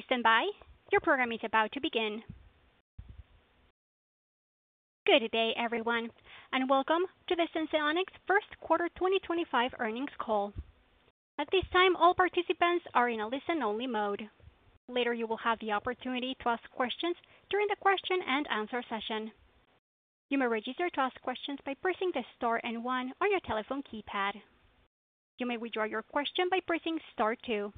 Please stand by. Your programming is about to begin. Good day, everyone, and Welcome to the Senseonics First Quarter 2025 Earnings Call. At this time, all participants are in a listen-only mode. Later, you will have the opportunity to ask questions during the question and answer session. You may register to ask questions by pressing the star and one on your telephone keypad. You may withdraw your question by pressing star two.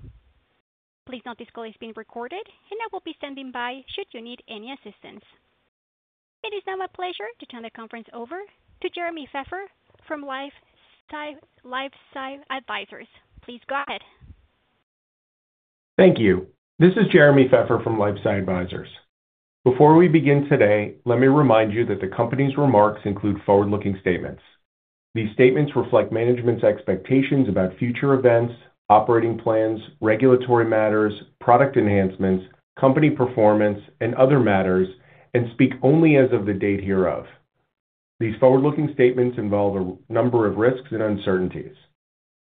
Please note this call is being recorded, and I will be standing by should you need any assistance. It is now a pleasure to turn the conference over to Jeremy Feffer from LifeSci Advisors. Please go ahead. Thank you. This is Jeremy Feffer from LifeSci Advisors. Before we begin today, let me remind you that the company's remarks include forward-looking statements. These statements reflect management's expectations about future events, operating plans, regulatory matters, product enhancements, company performance, and other matters, and speak only as of the date hereof. These forward-looking statements involve a number of risks and uncertainties.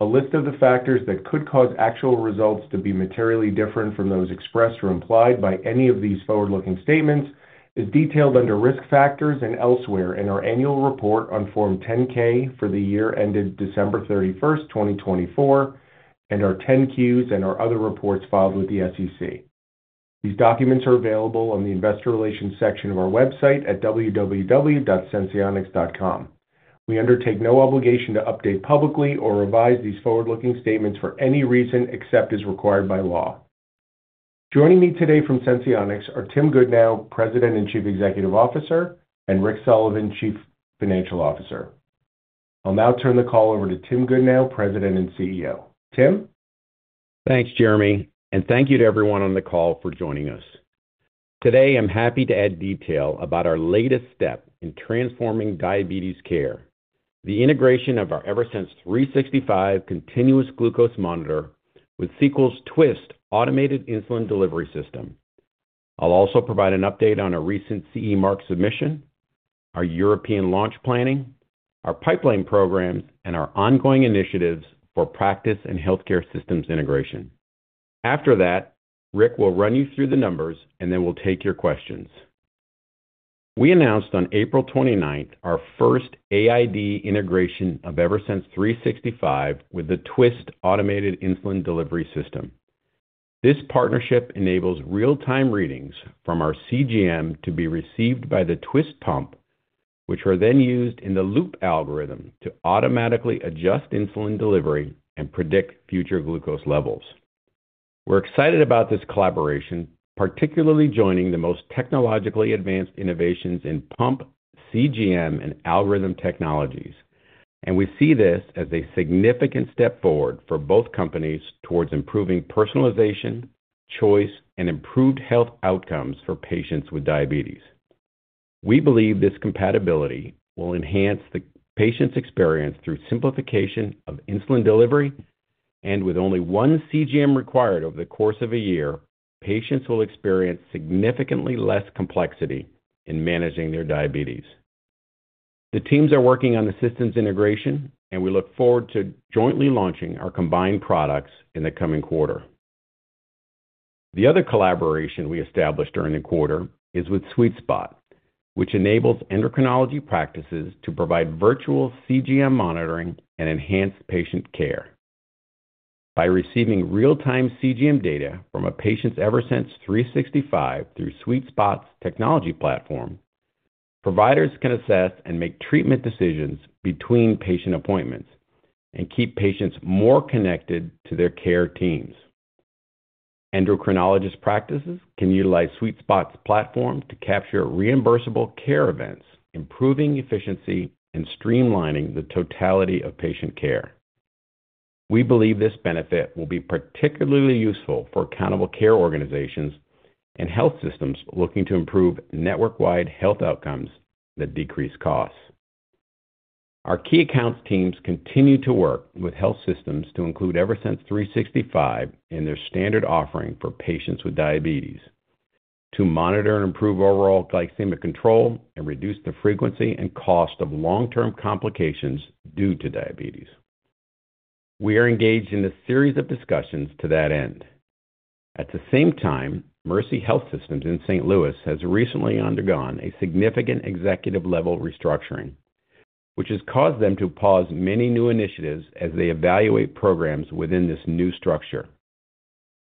A list of the factors that could cause actual results to be materially different from those expressed or implied by any of these forward-looking statements is detailed under risk factors and elsewhere in our annual report on Form 10-K for the year ended December 31, 2024, and our 10-Qs and our other reports filed with the SEC. These documents are available on the investor relations section of our website at www.senseonics.com. We undertake no obligation to update publicly or revise these forward-looking statements for any reason except as required by law. Joining me today from Senseonics are Tim Goodnow, President and Chief Executive Officer, and Rick Sullivan, Chief Financial Officer. I'll now turn the call over to Tim Goodnow, President and CEO. Tim? Thanks, Jeremy, and thank you to everyone on the call for joining us. Today, I'm happy to add detail about our latest step in transforming diabetes care: the integration of our Eversense 365 Continuous Glucose Monitor with Sequel's Twist Automated Insulin Delivery System. I'll also provide an update on a recent CE Mark submission, our European launch planning, our pipeline programs, and our ongoing initiatives for practice and healthcare systems integration. After that, Rick will run you through the numbers, and then we'll take your questions. We announced on April 29 our first AID integration of Eversense 365 with the Twist Automated Insulin Delivery System. This partnership enables real-time readings from our CGM to be received by the Twist pump, which are then used in the loop algorithm to automatically adjust insulin delivery and predict future glucose levels. We're excited about this collaboration, particularly joining the most technologically advanced innovations in pump, CGM, and algorithm technologies, and we see this as a significant step forward for both companies towards improving personalization, choice, and improved health outcomes for patients with diabetes. We believe this compatibility will enhance the patient's experience through simplification of insulin delivery, and with only one CGM required over the course of a year, patients will experience significantly less complexity in managing their diabetes. The teams are working on the systems integration, and we look forward to jointly launching our combined products in the coming quarter. The other collaboration we established during the quarter is with SweetSpot, which enables endocrinology practices to provide virtual CGM monitoring and enhanced patient care. By receiving real-time CGM data from a patient's Eversense 365 through SweetSpot's technology platform, providers can assess and make treatment decisions between patient appointments and keep patients more connected to their care teams. Endocrinologist practices can utilize SweetSpot's platform to capture reimbursable care events, improving efficiency and streamlining the totality of patient care. We believe this benefit will be particularly useful for accountable care organizations and health systems looking to improve network-wide health outcomes that decrease costs. Our key accounts teams continue to work with health systems to include Eversense 365 in their standard offering for patients with diabetes to monitor and improve overall glycemic control and reduce the frequency and cost of long-term complications due to diabetes. We are engaged in a series of discussions to that end. At the same time, Mercy Health Systems in St. Louis has recently undergone a significant executive-level restructuring, which has caused them to pause many new initiatives as they evaluate programs within this new structure.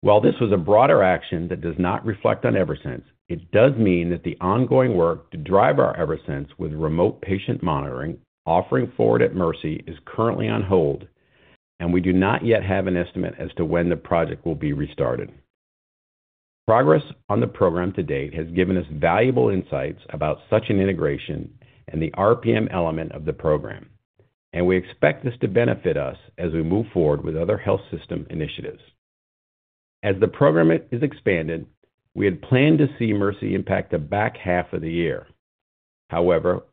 While this was a broader action that does not reflect on Eversense, it does mean that the ongoing work to drive our Eversense with remote patient monitoring offering forward at Mercy is currently on hold, and we do not yet have an estimate as to when the project will be restarted. Progress on the program to date has given us valuable insights about such an integration and the RPM element of the program, and we expect this to benefit us as we move forward with other health system initiatives. As the program is expanded, we had planned to see Mercy impact the back half of the year. However,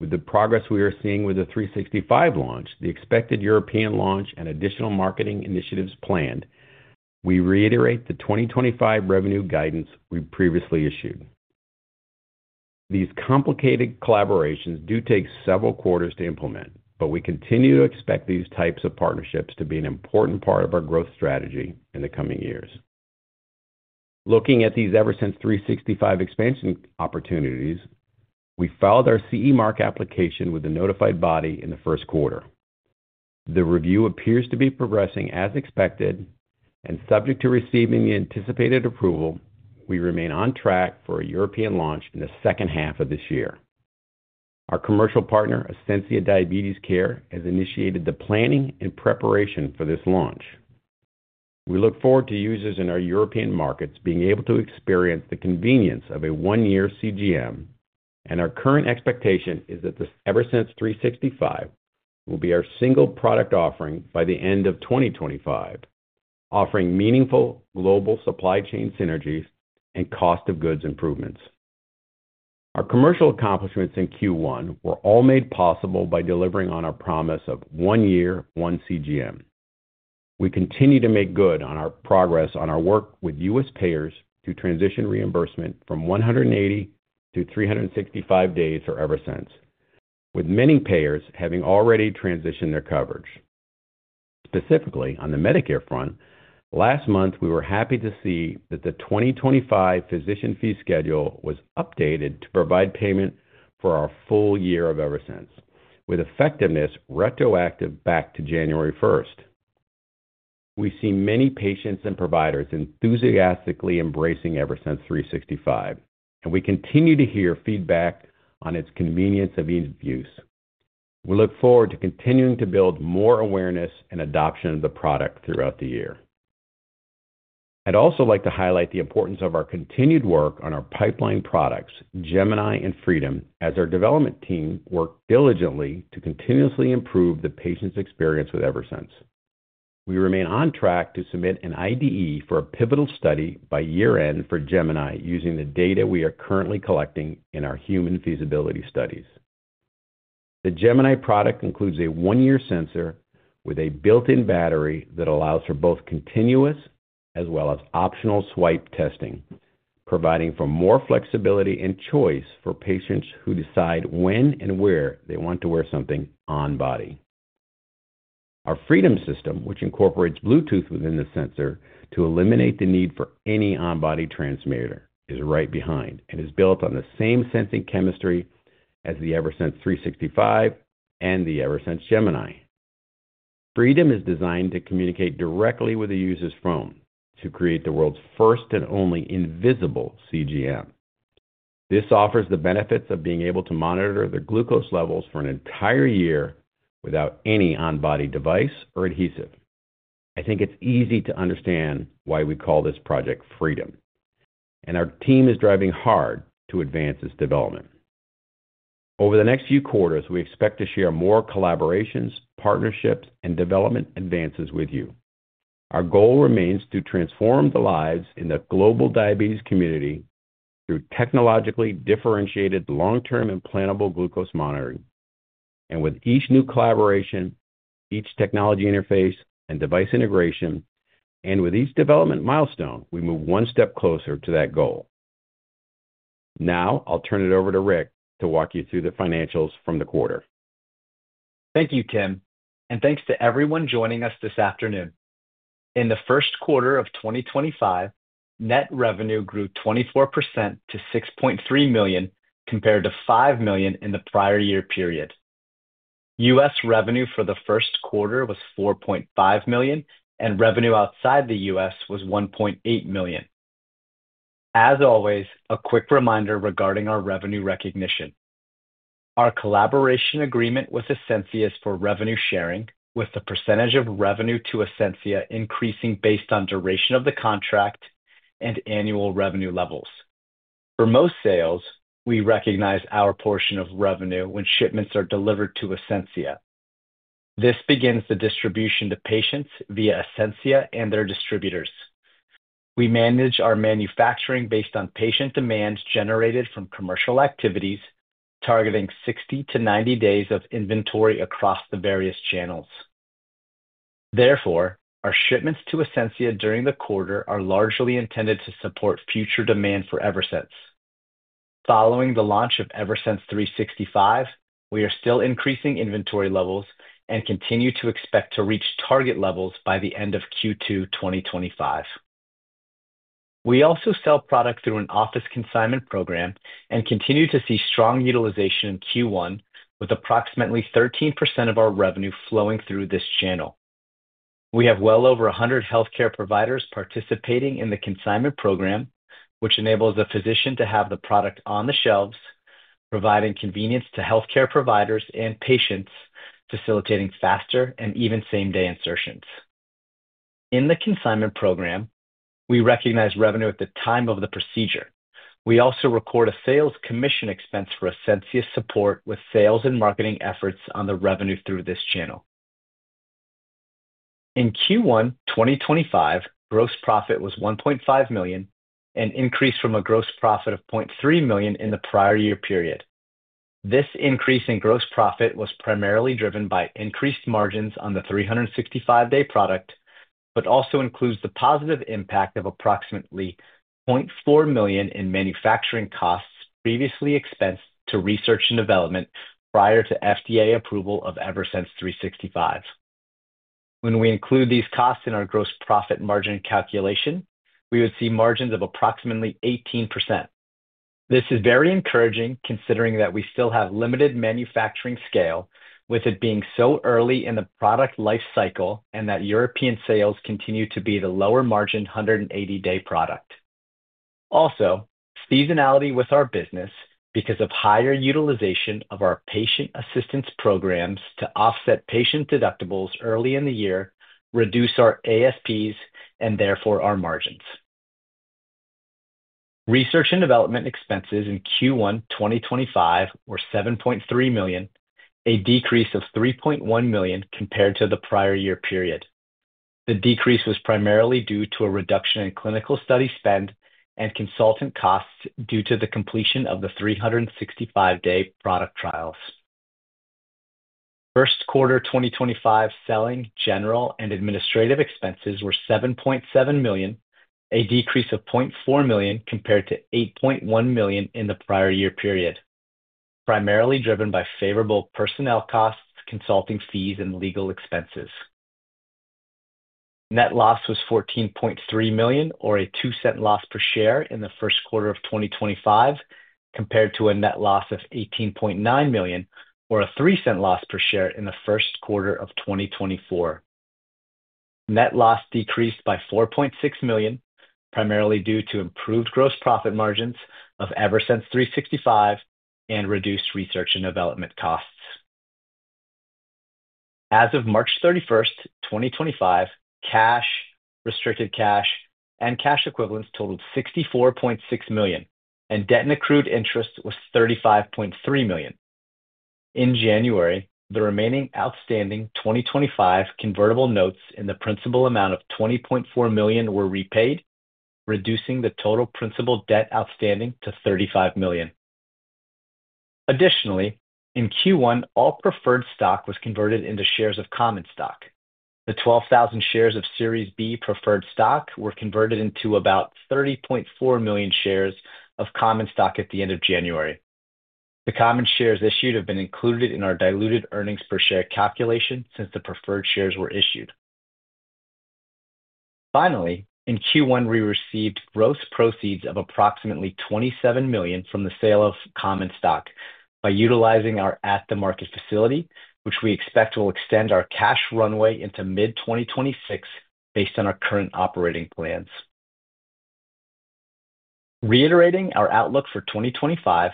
with the progress we are seeing with the 365 launch, the expected European launch, and additional marketing initiatives planned, we reiterate the 2025 revenue guidance we previously issued. These complicated collaborations do take several quarters to implement, but we continue to expect these types of partnerships to be an important part of our growth strategy in the coming years. Looking at these Eversense 365 expansion opportunities, we filed our CE Mark application with the notified body in the first quarter. The review appears to be progressing as expected and subject to receiving the anticipated approval, we remain on track for a European launch in the second half of this year. Our commercial partner, Ascensia Diabetes Care, has initiated the planning and preparation for this launch. We look forward to users in our European markets being able to experience the convenience of a one-year CGM, and our current expectation is that the Eversense 365 will be our single product offering by the end of 2025, offering meaningful global supply chain synergies and cost-of-goods improvements. Our commercial accomplishments in Q1 were all made possible by delivering on our promise of one year, one CGM. We continue to make good on our progress on our work with U.S. payers to transition reimbursement from 180 to 365 days for Eversense, with many payers having already transitioned their coverage. Specifically, on the Medicare front, last month, we were happy to see that the 2025 physician fee schedule was updated to provide payment for our full year of Eversense, with effectiveness retroactive back to January 1. We see many patients and providers enthusiastically embracing Eversense 365, and we continue to hear feedback on its convenience of each use. We look forward to continuing to build more awareness and adoption of the product throughout the year. I'd also like to highlight the importance of our continued work on our pipeline products, Gemini and Freedom, as our development team worked diligently to continuously improve the patient's experience with Eversense. We remain on track to submit an IDE for a pivotal study by year-end for Gemini using the data we are currently collecting in our human feasibility studies. The Gemini product includes a one-year sensor with a built-in battery that allows for both continuous as well as optional swipe testing, providing for more flexibility and choice for patients who decide when and where they want to wear something on-body. Our Freedom system, which incorporates Bluetooth within the sensor to eliminate the need for any on-body transmitter, is right behind and is built on the same sensing chemistry as the Eversense 365 and the Eversense Gemini. Freedom is designed to communicate directly with a user's phone to create the world's first and only invisible CGM. This offers the benefits of being able to monitor the glucose levels for an entire year without any on-body device or adhesive. I think it's easy to understand why we call this project Freedom, and our team is driving hard to advance its development. Over the next few quarters, we expect to share more collaborations, partnerships, and development advances with you. Our goal remains to transform the lives in the global diabetes community through technologically differentiated, long-term implantable glucose monitoring. With each new collaboration, each technology interface, and device integration, and with each development milestone, we move one step closer to that goal. Now, I'll turn it over to Rick to walk you through the financials from the quarter. Thank you, Tim, and thanks to everyone joining us this afternoon. In the first quarter of 2025, net revenue grew 24% to $6.3 million compared to $5 million in the prior year period. U.S. revenue for the first quarter was $4.5 million, and revenue outside the U.S. was $1.8 million. As always, a quick reminder regarding our revenue recognition. Our collaboration agreement with Ascensia is for revenue sharing, with the percentage of revenue to Ascensia increasing based on duration of the contract and annual revenue levels. For most sales, we recognize our portion of revenue when shipments are delivered to Ascensia. This begins the distribution to patients via Ascensia and their distributors. We manage our manufacturing based on patient demand generated from commercial activities, targeting 60-90 days of inventory across the various channels. Therefore, our shipments to Ascensia during the quarter are largely intended to support future demand for Eversense. Following the launch of Eversense 365, we are still increasing inventory levels and continue to expect to reach target levels by the end of Q2 2025. We also sell product through an office consignment program and continue to see strong utilization in Q1, with approximately 13% of our revenue flowing through this channel. We have well over 100 healthcare providers participating in the consignment program, which enables a physician to have the product on the shelves, providing convenience to healthcare providers and patients, facilitating faster and even same-day insertions. In the consignment program, we recognize revenue at the time of the procedure. We also record a sales commission expense for Ascensia's support with sales and marketing efforts on the revenue through this channel. In Q1 2025, gross profit was $1.5 million and increased from a gross profit of $0.3 million in the prior year period. This increase in gross profit was primarily driven by increased margins on the 365-day product, but also includes the positive impact of approximately $0.4 million in manufacturing costs previously expensed to research and development prior to FDA approval of Eversense 365. When we include these costs in our gross profit margin calculation, we would see margins of approximately 18%. This is very encouraging considering that we still have limited manufacturing scale, with it being so early in the product life cycle and that European sales continue to be the lower margin 180-day product. Also, seasonality with our business because of higher utilization of our patient assistance programs to offset patient deductibles early in the year, reduce our ASPs, and therefore our margins. Research and development expenses in Q1 2025 were $7.3 million, a decrease of $3.1 million compared to the prior year period. The decrease was primarily due to a reduction in clinical study spend and consultant costs due to the completion of the 365-day product trials. First quarter 2025 selling, general, and administrative expenses were $7.7 million, a decrease of $0.4 million compared to $8.1 million in the prior year period, primarily driven by favorable personnel costs, consulting fees, and legal expenses. Net loss was $14.3 million, or a $0.02 loss per share in the first quarter of 2025, compared to a net loss of $18.9 million, or a $0.03 loss per share in the first quarter of 2024. Net loss decreased by $4.6 million, primarily due to improved gross profit margins of Eversense 365 and reduced research and development costs. As of March 31, 2025, cash, restricted cash, and cash equivalents totaled $64.6 million, and debt and accrued interest was $35.3 million. In January, the remaining outstanding 2025 convertible notes in the principal amount of $20.4 million were repaid, reducing the total principal debt outstanding to $35 million. Additionally, in Q1, all preferred stock was converted into shares of common stock. The 12,000 shares of Series B preferred stock were converted into about 30.4 million shares of common stock at the end of January. The common shares issued have been included in our diluted earnings per share calculation since the preferred shares were issued. Finally, in Q1, we received gross proceeds of approximately $27 million from the sale of common stock by utilizing our at-the-market facility, which we expect will extend our cash runway into mid-2026 based on our current operating plans. Reiterating our outlook for 2025,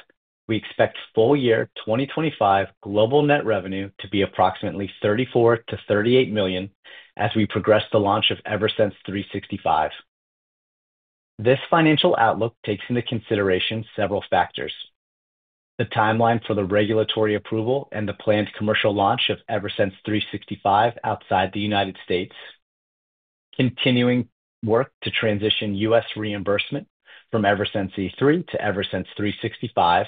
we expect full year 2025 global net revenue to be approximately $34 million-$38 million as we progress the launch of Eversense 365. This financial outlook takes into consideration several factors: the timeline for the regulatory approval and the planned commercial launch of Eversense 365 outside the U.S., continuing work to transition U.S. reimbursement from Eversense E3 to Eversense 365,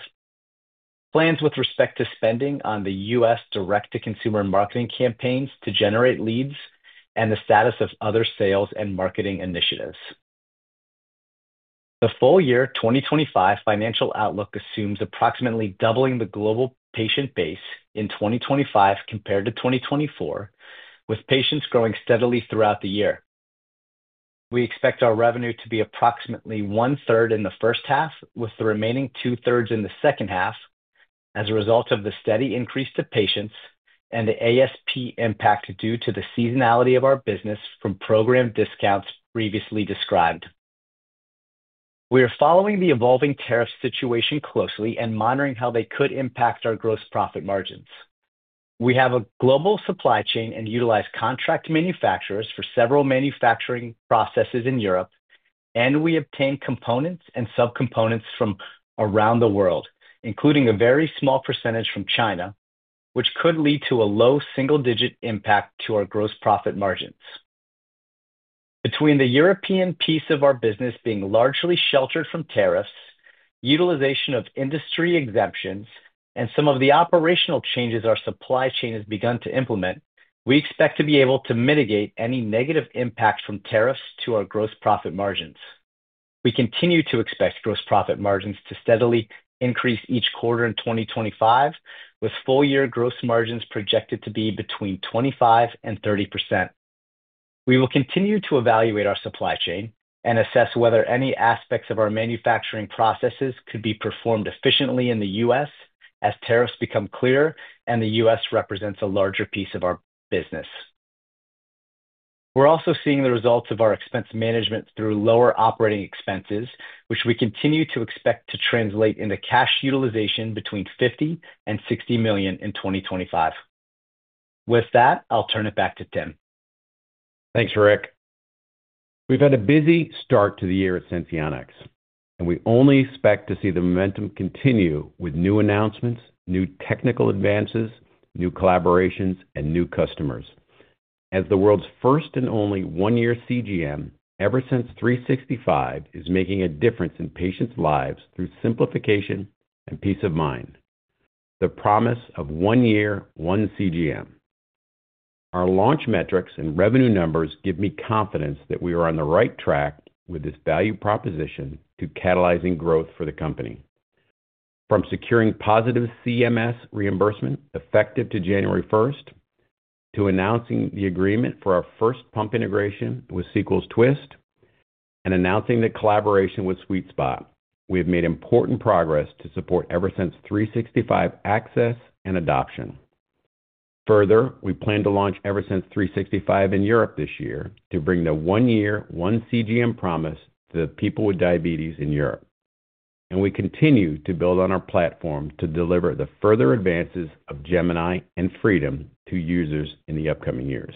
plans with respect to spending on the U.S. direct-to-consumer marketing campaigns to generate leads, and the status of other sales and marketing initiatives. The full year 2025 financial outlook assumes approximately doubling the global patient base in 2025 compared to 2024, with patients growing steadily throughout the year. We expect our revenue to be approximately one-third in the first half, with the remaining two-thirds in the second half as a result of the steady increase to patients and the ASP impact due to the seasonality of our business from program discounts previously described. We are following the evolving tariff situation closely and monitoring how they could impact our gross profit margins. We have a global supply chain and utilize contract manufacturers for several manufacturing processes in Europe, and we obtain components and subcomponents from around the world, including a very small percentage from China, which could lead to a low single-digit impact to our gross profit margins. Between the European piece of our business being largely sheltered from tariffs, utilization of industry exemptions, and some of the operational changes our supply chain has begun to implement, we expect to be able to mitigate any negative impact from tariffs to our gross profit margins. We continue to expect gross profit margins to steadily increase each quarter in 2025, with full year gross margins projected to be between 25-30%. We will continue to evaluate our supply chain and assess whether any aspects of our manufacturing processes could be performed efficiently in the U.S. as tariffs become clearer and the U.S. represents a larger piece of our business. We're also seeing the results of our expense management through lower operating expenses, which we continue to expect to translate into cash utilization between $50 million-$60 million in 2025. With that, I'll turn it back to Tim. Thanks, Rick. We've had a busy start to the year at Senseonics, and we only expect to see the momentum continue with new announcements, new technical advances, new collaborations, and new customers. As the world's first and only one-year CGM, Eversense 365 is making a difference in patients' lives through simplification and peace of mind. The promise of one year, one CGM. Our launch metrics and revenue numbers give me confidence that we are on the right track with this value proposition to catalyzing growth for the company. From securing positive CMS reimbursement effective to January 1, to announcing the agreement for our first pump integration with Sequel Twist, and announcing the collaboration with SweetSpot, we have made important progress to support Eversense 365 access and adoption. Further, we plan to launch Eversense 365 in Europe this year to bring the one-year, one CGM promise to the people with diabetes in Europe. We continue to build on our platform to deliver the further advances of Gemini and Freedom to users in the upcoming years.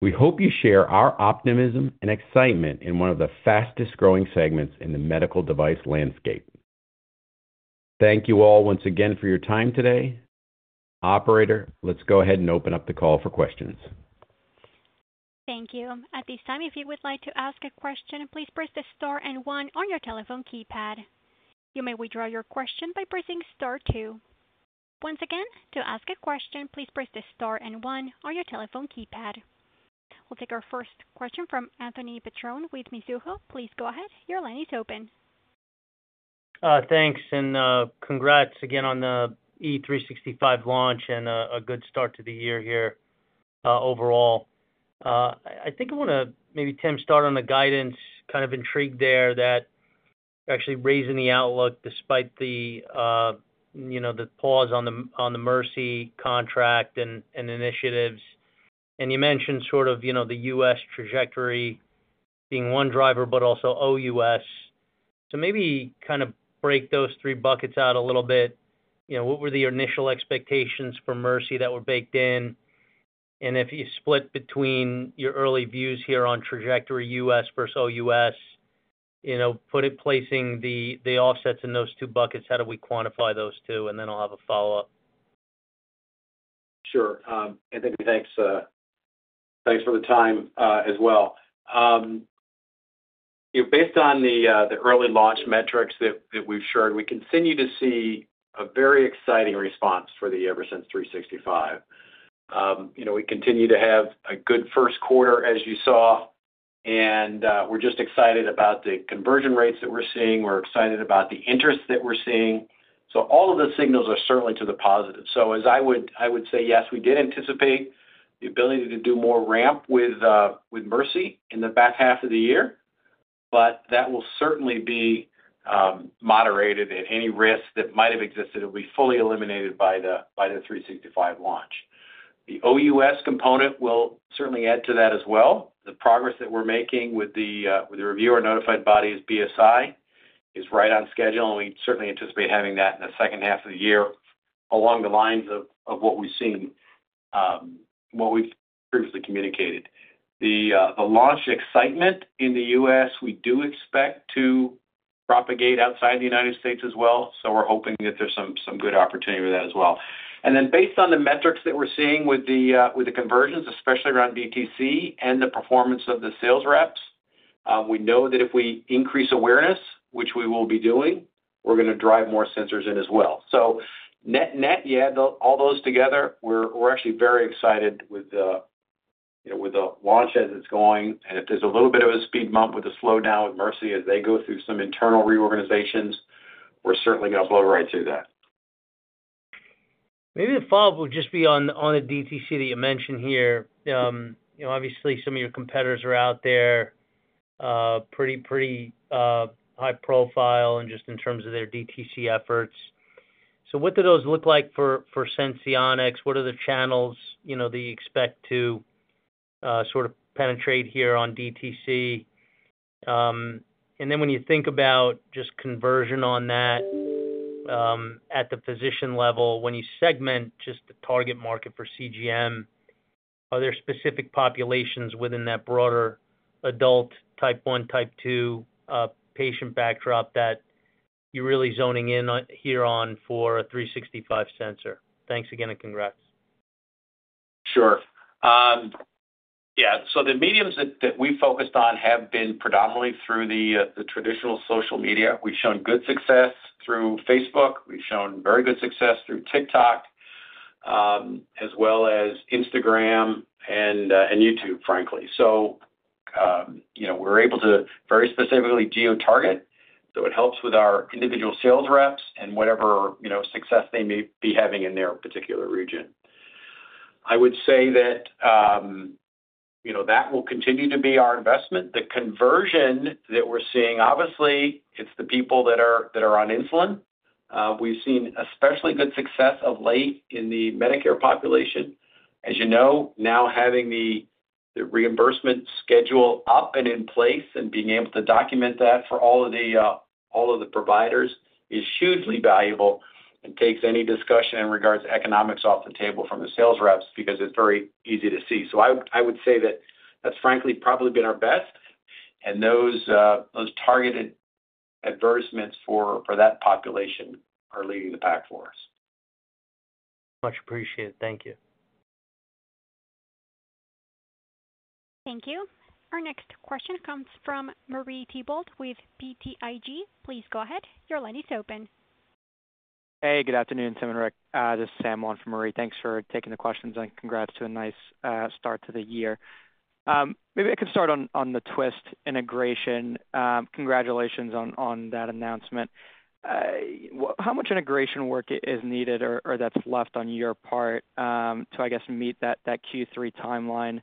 We hope you share our optimism and excitement in one of the fastest growing segments in the medical device landscape. Thank you all once again for your time today. Operator, let's go ahead and open up the call for questions. Thank you. At this time, if you would like to ask a question, please press the star and one on your telephone keypad. You may withdraw your question by pressing star two. Once again, to ask a question, please press the star and one on your telephone keypad. We'll take our first question from Anthony Petrone with Mizuho. Please go ahead. Your line is open. Thanks, and congrats again on the Eversense 365 launch and a good start to the year here overall. I think I want to maybe, Tim, start on the guidance kind of intrigue there that you're actually raising the outlook despite the pause on the Mercy Health Systems contract and initiatives. You mentioned sort of the U.S. trajectory being one driver, but also OUS. Maybe kind of break those three buckets out a little bit. What were the initial expectations for Mercy that were baked in? If you split between your early views here on trajectory U.S. versus OUS, placing the offsets in those two buckets, how do we quantify those two? I have a follow-up. Sure. Anthony, thanks for the time as well. Based on the early launch metrics that we've shared, we continue to see a very exciting response for the Eversense 365. We continue to have a good first quarter, as you saw, and we're just excited about the conversion rates that we're seeing. We're excited about the interest that we're seeing. All of the signals are certainly to the positive. As I would say, yes, we did anticipate the ability to do more ramp with Mercy in the back half of the year, but that will certainly be moderated, and any risk that might have existed will be fully eliminated by the 365 launch. The OUS component will certainly add to that as well. The progress that we're making with the reviewer notified body is BSI, is right on schedule, and we certainly anticipate having that in the second half of the year along the lines of what we've seen, what we've previously communicated. The launch excitement in the U.S., we do expect to propagate outside the United States as well. We are hoping that there's some good opportunity with that as well. Then based on the metrics that we're seeing with the conversions, especially around VTC and the performance of the sales reps, we know that if we increase awareness, which we will be doing, we're going to drive more sensors in as well. Net, net, you add all those together, we're actually very excited with the launch as it's going. If there's a little bit of a speed bump with the slowdown with Mercy as they go through some internal reorganizations, we're certainly going to blow right through that. Maybe the follow-up would just be on the DTC that you mentioned here. Obviously, some of your competitors are out there, pretty high profile and just in terms of their DTC efforts. What do those look like for Senseonics? What are the channels that you expect to sort of penetrate here on DTC? When you think about just conversion on that at the physician level, when you segment just the target market for CGM, are there specific populations within that broader adult type one, type two patient backdrop that you're really zoning in here on for a 365 sensor? Thanks again and congrats. Sure. Yeah. The mediums that we focused on have been predominantly through the traditional social media. We've shown good success through Facebook. We've shown very good success through TikTok, as well as Instagram and YouTube, frankly. We're able to very specifically geotarget, so it helps with our individual sales reps and whatever success they may be having in their particular region. I would say that that will continue to be our investment. The conversion that we're seeing, obviously, it's the people that are on insulin. We've seen especially good success of late in the Medicare population. As you know, now having the reimbursement schedule up and in place and being able to document that for all of the providers is hugely valuable and takes any discussion in regards to economics off the table from the sales reps because it's very easy to see. I would say that that's frankly probably been our best. And those targeted advertisements for that population are leading the pack for us. Much appreciated. Thank you. Thank you. Our next question comes from Marie Thibault with BTIG. Please go ahead. Your line is open. Hey, good afternoon, Tim and Rick. This is Sam Wong from Marie. Thanks for taking the questions and congrats to a nice start to the year. Maybe I can start on the Twist integration. Congratulations on that announcement. How much integration work is needed or that's left on your part to, I guess, meet that Q3 timeline?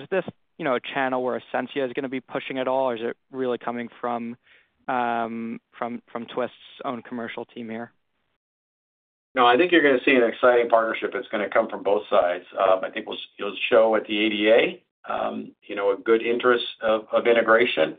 Is this a channel where Ascensia is going to be pushing at all, or is it really coming from Twist's own commercial team here? No, I think you're going to see an exciting partnership. It's going to come from both sides. I think it'll show at the ADA a good interest of integration.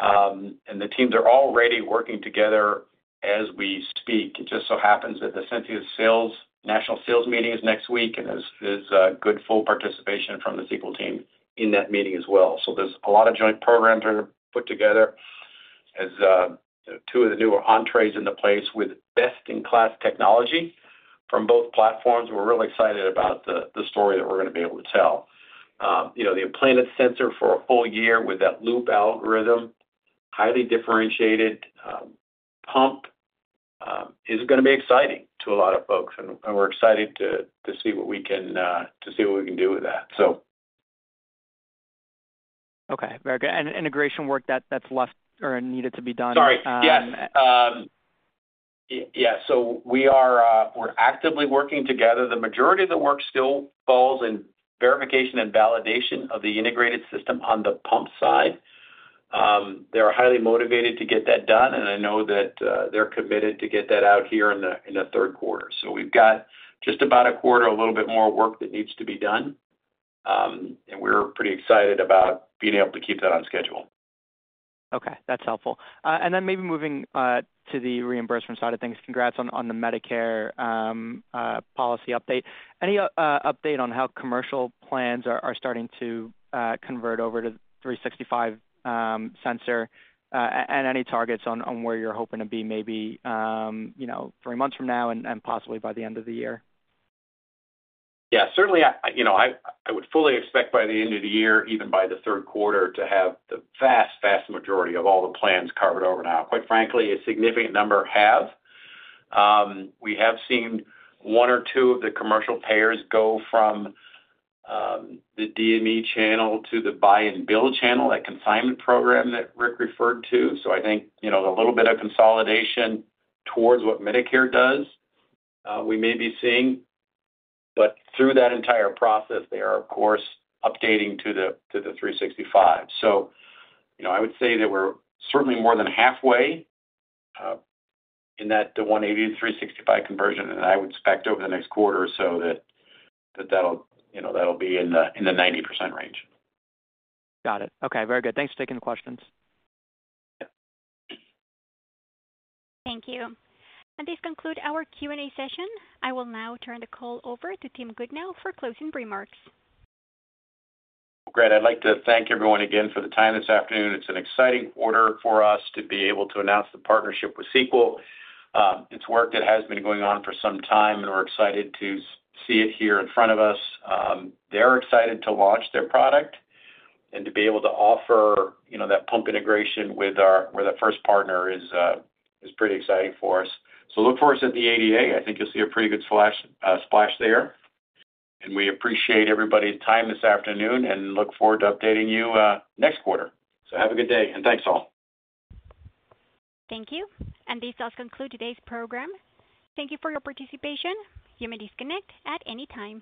The teams are already working together as we speak. It just so happens that the Ascensia national sales meeting is next week, and there's good full participation from the Sequel team in that meeting as well. There are a lot of joint programs that are put together as two of the newer entrees in the place with best-in-class technology from both platforms. We're really excited about the story that we're going to be able to tell. The implanted sensor for a full year with that loop algorithm, highly differentiated pump, is going to be exciting to a lot of folks. We're excited to see what we can do with that. Okay. Very good. Integration work that's left or needed to be done. Sorry. Yes. Yeah. So we're actively working together. The majority of the work still falls in verification and validation of the integrated system on the pump side. They're highly motivated to get that done, and I know that they're committed to get that out here in the third quarter. We've got just about a quarter, a little bit more work that needs to be done. We're pretty excited about being able to keep that on schedule. Okay. That's helpful. Maybe moving to the reimbursement side of things, congrats on the Medicare policy update. Any update on how commercial plans are starting to convert over to 365 sensor and any targets on where you're hoping to be maybe three months from now and possibly by the end of the year? Yeah. Certainly, I would fully expect by the end of the year, even by the third quarter, to have the vast, vast majority of all the plans covered over now. Quite frankly, a significant number have. We have seen one or two of the commercial payers go from the DME channel to the buy-and-bill channel, that consignment program that Rick referred to. I think a little bit of consolidation towards what Medicare does, we may be seeing. Through that entire process, they are, of course, updating to the 365. I would say that we're certainly more than halfway in that 180 to 365 conversion, and I would expect over the next quarter or so that that'll be in the 90% range. Got it. Okay. Very good. Thanks for taking the questions. Yeah. Thank you. This concludes our Q&A session. I will now turn the call over to Tim Goodnow for closing remarks. Great, I'd like to thank everyone again for the time this afternoon. It's an exciting quarter for us to be able to announce the partnership with Sequel. It's work that has been going on for some time, and we're excited to see it here in front of us. They're excited to launch their product and to be able to offer that pump integration with our first partner is pretty exciting for us. Look for us at the ADA. I think you'll see a pretty good splash there. We appreciate everybody's time this afternoon and look forward to updating you next quarter. Have a good day, and thanks all. Thank you. This does conclude today's program. Thank you for your participation. You may disconnect at any time.